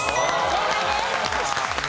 正解です。